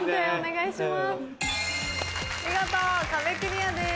お願いします。